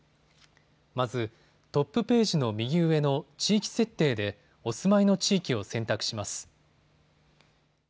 まず、トップページの右上の地域設定でお住まいの地域を選択します。